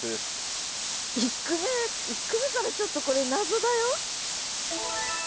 １句目１句目からちょっとこれ謎だよ。